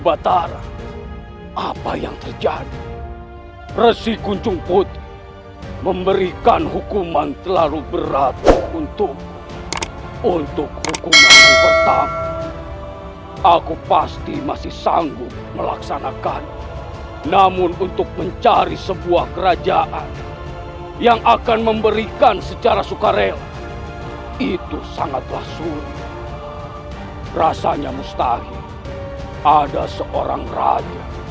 bagaimana apa yang terjadi rezeki cuncung putri memberikan hukuman terlalu berat untuk untuk hukum aku pasti masih sanggup melaksanakan namun untuk mencari sebuah kerajaan yang akan memberikan secara sukarela itu sangatlah sulit rasanya mustahil ada seorang raja